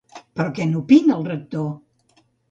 Però què n'opina el Rector?